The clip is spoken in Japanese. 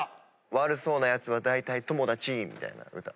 「悪そうな奴は大体友達」みたいな歌。